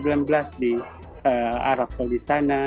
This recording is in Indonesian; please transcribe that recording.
karena mereka tidak ada yang arab atau di sana